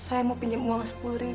aku ingin kabur